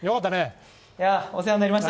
お世話になりました